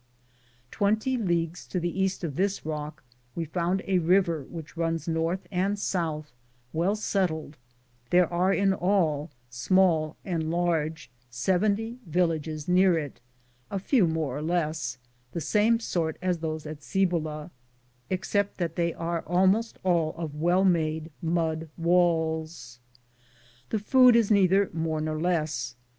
Twenty leagues to the east of this rook we found a river which runs north and south, 1 well settled; there are in all, small and large, 70 villages near it, a few more or less, the same sort as those at Cibola, except that they are almost all of well made mud walls. The food is neither more nor less.